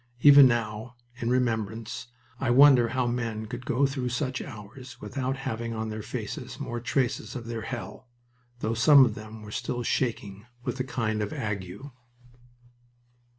Even now, in remembrance, I wonder how men could go through such hours without having on their faces more traces of their hell, though some of them were still shaking with a kind of ague.